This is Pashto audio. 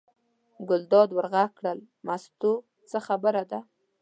ګلداد ور غږ کړل: مستو څه خبره ده.